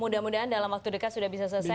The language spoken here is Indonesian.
mudah mudahan dalam waktu dekat sudah bisa selesai